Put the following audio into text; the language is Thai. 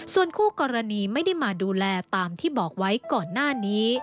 ส่วนคู่กรณีไม่ได้มาดูแลตามที่บอกไว้ก่อนหน้านี้